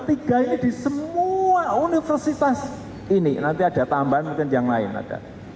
tiga ini di semua universitas ini nanti ada tambahan mungkin yang lain ada